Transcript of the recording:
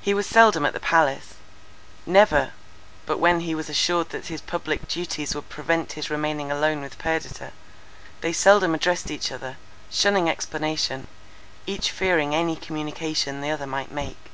He was seldom at the palace; never, but when he was assured that his public duties would prevent his remaining alone with Perdita. They seldom addressed each other, shunning explanation, each fearing any communication the other might make.